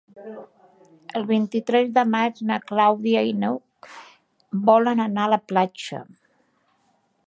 El vint-i-tres de maig na Clàudia i n'Hug volen anar a la platja.